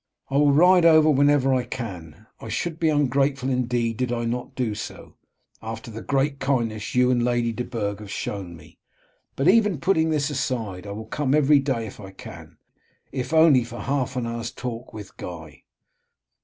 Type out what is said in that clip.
"I will ride over whenever I can. I should be ungrateful indeed did I not do so, after the great kindness you and Lady de Burg have shown me; but even putting this aside I will come every day if I can, if only for half an hour's talk with Guy."